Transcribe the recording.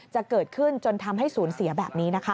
จะเกิดขึ้นจนทำให้ศูนย์เสียแบบนี้นะคะ